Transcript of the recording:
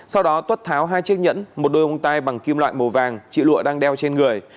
sau đó tuất tháo hai chiếc nhẫn một đôi bông tai bằng kim loại màu vàng chị lụa đang đeo trên người